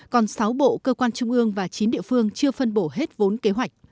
còn sáu bộ cơ quan trung ương và chín địa phương chưa phân bổ hết vốn kế hoạch